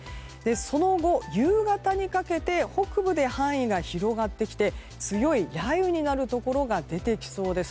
その後、夕方にかけて北部で範囲が広がってきて強い雷雨になるところが出てきそうです。